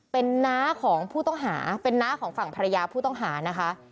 เป็นน้าของผู้ต้องหาเป็นน้าของฝั่งภรรยาผู้ต้องหานะคะ